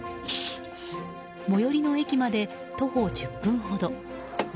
最寄りの駅まで徒歩１０分ほど。